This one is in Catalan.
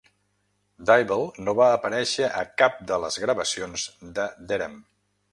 Dyble no va aparèixer a cap de les gravacions de Deram.